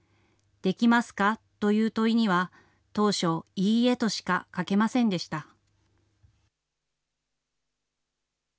できますかという問いには、当初、いいえとしか書けませんでした。